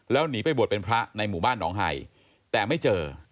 แล้วหนีไปบวชเป็นพระในหมู่บ้านหนองไห่แต่ไม่เจอ